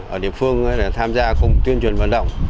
ở địa phương tham gia cùng tuyên truyền vận động